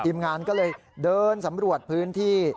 ทีมงานก็เลยเดินสำรวจพื้นที่